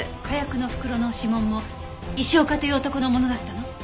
火薬の袋の指紋も石岡という男のものだったの？